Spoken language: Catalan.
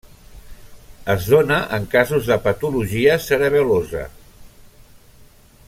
Es dóna en casos de patologia cerebel·losa.